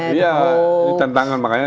hoax black campaign ya ini tantangan makanya